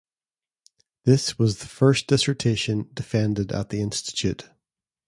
This was the first dissertation defended at the institute.